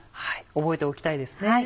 覚えておきたいですね